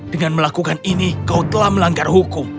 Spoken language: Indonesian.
dengan melakukan ini kau telah melanggar hukum